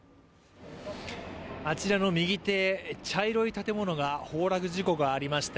あちらの右手、茶色い建物が崩落事故がありました